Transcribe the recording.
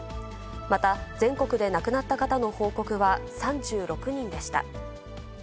また全国で亡くなった方の報告は３６人でした。